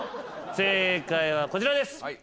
正解はこちらです。